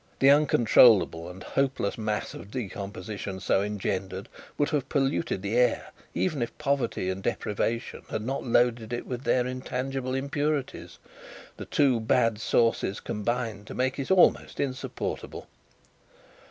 The uncontrollable and hopeless mass of decomposition so engendered, would have polluted the air, even if poverty and deprivation had not loaded it with their intangible impurities; the two bad sources combined made it almost insupportable.